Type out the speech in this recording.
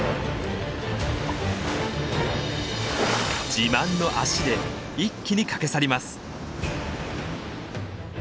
自慢の足で一気に駆け去ります。